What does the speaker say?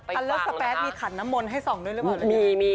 เพสัตว์มีขัดน้ำมนต์ให้ส่องด้วยหรือเปล่า